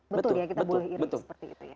betul ya kita boleh iring seperti itu ya